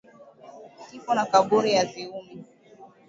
Kifo na kaburi haviumi